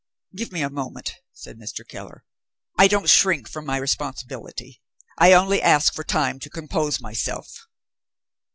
"Give me a moment," said Mr. Keller, "I don't shrink from my responsibility; I only ask for time to compose myself."